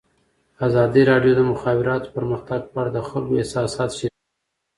ازادي راډیو د د مخابراتو پرمختګ په اړه د خلکو احساسات شریک کړي.